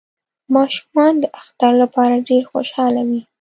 ماشومان د اختر لپاره ډیر خوشحاله وی